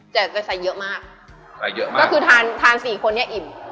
แต่ก็ใส่เยอะมากก็คือทาน๔คนเนี่ยอิ่ม